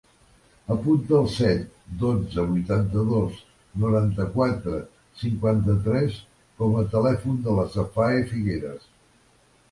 Apunta el set, dotze, vuitanta-dos, noranta-quatre, cinquanta-tres com a telèfon de la Safae Figueras.